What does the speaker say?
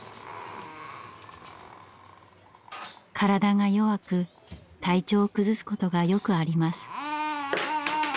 体が弱く体調を崩すことがよくあります。